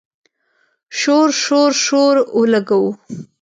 شور، شور، شور اولګوو